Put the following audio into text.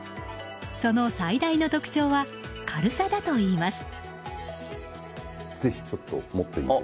その最大の特徴は軽さだといいます。